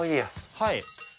はい。